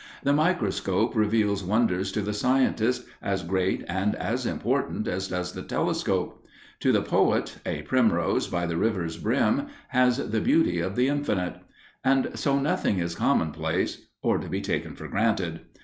The microscope reveals wonders to the scientist, as great and as important as does the telescope. To the poet, "a primrose by the river's brim" has the beauty of the Infinite. And so nothing is commonplace, or to be taken for granted.